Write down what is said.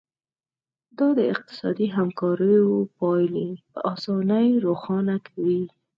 دا د اقتصادي همکاریو پایلې په اسانۍ روښانه کوي